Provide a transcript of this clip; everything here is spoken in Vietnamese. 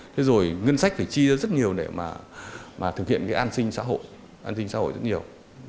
thế rồi ngân sách phải chi ra rất nhiều để mà thực hiện cái an sinh xã hội an sinh xã hội rất nhiều